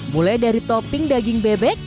mulai dari topping daging bebek